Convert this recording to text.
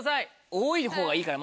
多い方がいいからまだ。